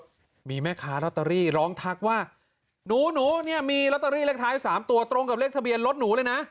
แล้วมีแม่ค้าลอตเตอรี่ร้องทักว่าหนูหนูเนี่ยมีลอตเตอรี่เลขท้ายสามตัวตรงกับเลขทะเบียนรถหนูเลยนะ